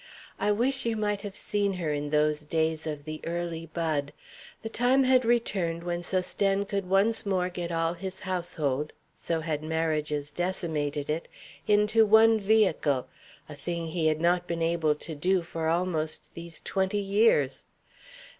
I wish you might have seen her in those days of the early bud. The time had returned when Sosthène could once more get all his household so had marriages decimated it into one vehicle, a thing he had not been able to do for almost these twenty years.